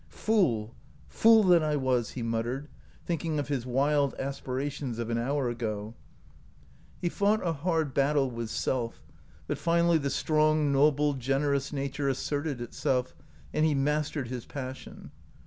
"Fool, fool that I was!" he muttered, thinking of his wild aspirations of an hour ago. OUT OF BOHEMIA He fought a hard battle with self, but finally the strong, noble, generous nature asserted itself, and he mastered his passion.